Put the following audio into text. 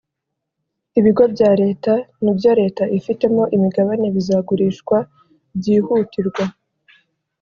ibigo bya leta n'ibyo leta ifitemo imigabane bizagurishwa byihutirwa